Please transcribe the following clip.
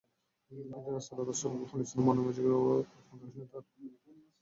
কিন্তু রাসূল সাল্লাল্লাহু আলাইহি ওয়াসাল্লাম অমনোযোগী ও উদাসীনতা দেখান।